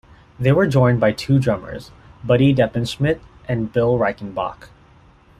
They were joined by two drummers: Buddy Deppenschmidt and Bill Reichenbach.